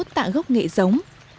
sáu tạ gốc nghệ giống